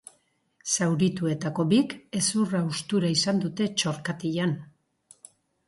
Zaurituetako bik hezur-haustura izan dute txorkatilan.